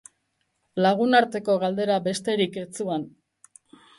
Lagunarteko galdera besterik ez zuan.